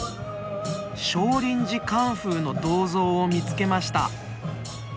少林寺カンフーの銅像を見つけました。